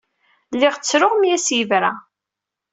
Lliɣ ttruɣ mi as-yebra.